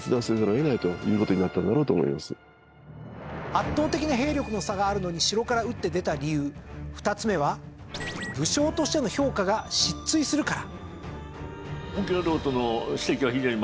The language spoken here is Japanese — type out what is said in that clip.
圧倒的な兵力の差があるのに城から打って出た理由２つ目は武将としての評価が失墜するから。